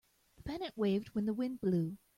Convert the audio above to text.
The pennant waved when the wind blew.